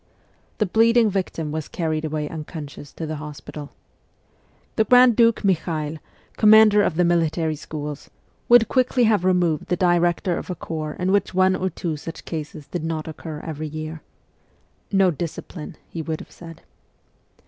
The bleeding victim was carried away unconscious to the hospital. The Grand Duke Mikhael, commander of the military schools, would quickly have removed the director of a corps in which one or two such cases did not occur every year. ' No discipline,' he would have said.